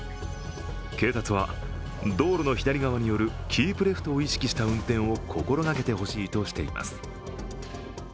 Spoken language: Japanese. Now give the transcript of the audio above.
警察は、道路の左側に寄るキープレフトを意識した運転を心がけてほしいとしています。